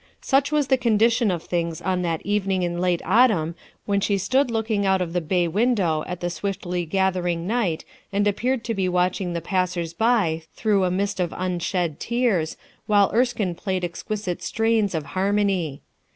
Such was the condition of things on that evening in late autumn when she stood looking out of the 18 RUTH ERSKINE'S SON bay window at the swiftly gathering night and appeared to be watching the passers by through a mist of unshed tears, while Erskine played exquisite strains of harmony.